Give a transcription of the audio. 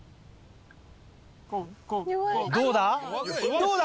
どうだ？